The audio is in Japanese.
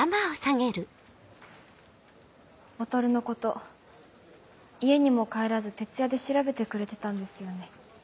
ボトルのこと家にも帰らず徹夜で調べてくれてたんですよね。